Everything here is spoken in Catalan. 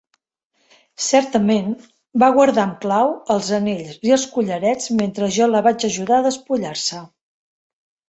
Certament, va guardar amb clau els anells i els collarets mentre jo la vaig ajudar a despullar-se.